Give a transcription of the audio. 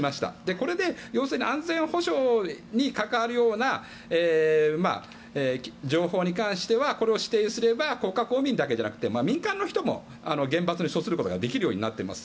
これで要するに安全保障に関わるような情報に関してはこれを指定すれば国家公務員だけじゃなくて民間の人も厳罰に処することができるようになっています。